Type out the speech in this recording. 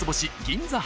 銀座